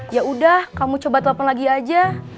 yaudah kamu coba telepon lagi aja